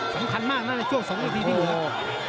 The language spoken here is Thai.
สำคัญมากนะในช่วง๒นาทีที่๖